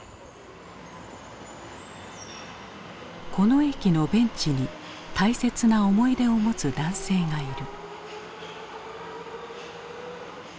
この駅のベンチに大切な思い出を持つ男性がいる。